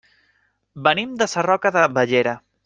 Venim de Sarroca de Bellera.